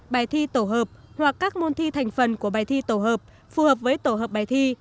bài thi tổ hợp hoặc các môn thi thành phần của bài thi tổ hợp phù hợp với tổ hợp bài thi